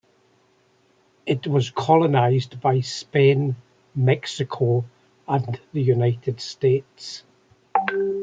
It was colonized by Spain, Mexico and the United States.